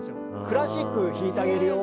「クラシック弾いてあげるよ